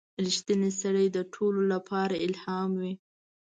• رښتینی سړی د ټولو لپاره الهام وي.